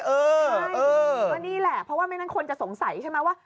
ใช่ก็นี่แหละเพราะว่าไม่งั้นคนจะสงสัยใช่ไหมว่า